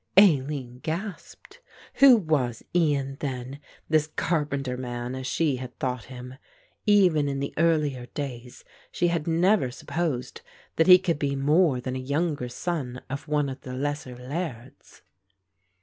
Aline gasped. Who was Ian then, this carpenter man, as she had thought him? Even in the earlier days she had never supposed that he could be more than a younger son of one of the lesser lairds.